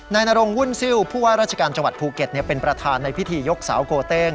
นรงวุ่นซิลผู้ว่าราชการจังหวัดภูเก็ตเป็นประธานในพิธียกสาวโกเต้ง